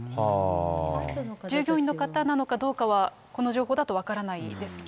従業員の方なのかどうかなのか、この情報だと分からないですね。